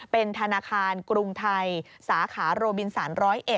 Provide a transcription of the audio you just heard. เป็นธนาคารกรุงไทยสาขาโรบินสาร๑๐๑